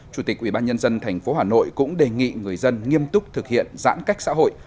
chủ tịch ubnd tp hà nội cũng đề nghị người dân nghiêm túc thực hiện giãn cách xã hội